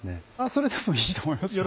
それでもいいと思いますよ。